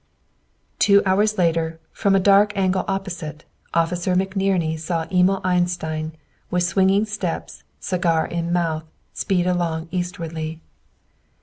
q." Two hours later, from a dark angle opposite, Officer McNerney saw Emil Einstein, with swinging steps, cigar in mouth, speed along eastwardly.